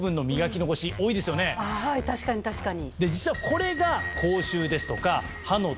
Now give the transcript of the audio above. はい確かに確かに。